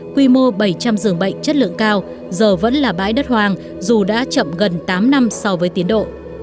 quy mô bảy trăm linh giường bệnh chất lượng cao giờ vẫn là bãi đất hoang dù đã chậm gần tám năm so với tiến độ